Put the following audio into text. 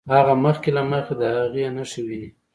هغه مخکې له مخکې د هغې نښې ويني.